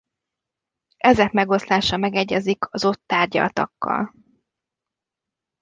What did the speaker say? Ezek megoszlása megegyezik az ott tárgyaltakkal.